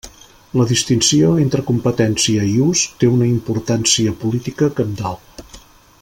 La distinció entre competència i ús té una importància política cabdal.